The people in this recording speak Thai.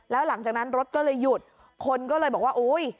แล้วหลังจากนั้นรถก็เลยหยุดคนก็เลยบอกว่าอุ้ย